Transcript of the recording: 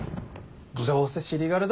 どうせ尻軽だろ。